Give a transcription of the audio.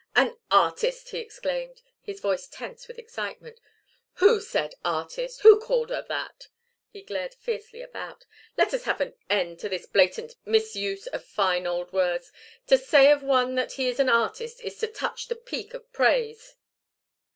"An artist!" he exclaimed, his voice tense with excitement. "Who said artist? Who called her that?" He glared fiercely about. "Let us have an end to this blatant misuse of fine old words. To say of one that he is an artist is to touch the peak of praise."